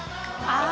ああ。